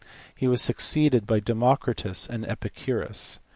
He was succeeded by Democritus and Epicurus.